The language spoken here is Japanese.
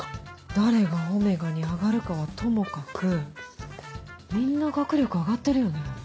誰がΩに上がるかはともかくみんな学力上がってるよね？